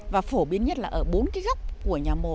và phổ biến nhất là ở bốn cái gốc của nhà mồ